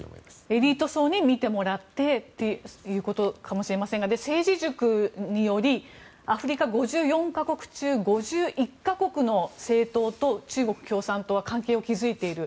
エリート層に見てもらってということかもしれませんが政治塾によりアフリカ５４か国中５１か国の政党と中国共産党は関係を築いている。